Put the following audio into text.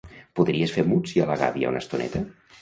Podries fer muts i a la gàbia una estoneta?